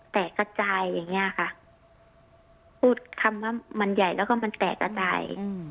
แตกกระจายอย่างเงี้ยค่ะพูดคำว่ามันใหญ่แล้วก็มันแตกกระจาย